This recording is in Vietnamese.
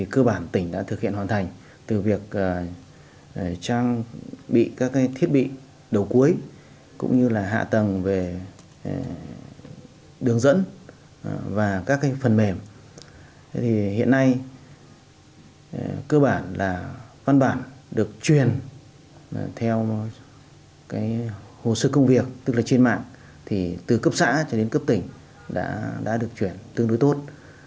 cái hồ sơ công việc tức là trên mạng thì từ cấp xã cho đến cấp tỉnh đã được chuyển tương đối tốt